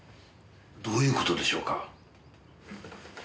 どういう事でしょうか？